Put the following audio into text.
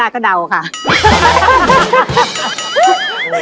มีใจได้ขอกับเบอร์